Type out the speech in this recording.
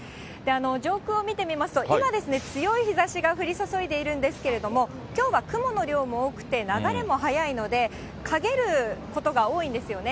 上空を見てみますと、今ですね、強い日ざしが降り注いでいるんですけれども、きょうは雲の量も多くて、流れも速いので、かげることが多いんですよね。